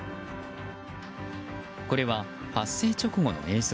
これは発生直後の映像。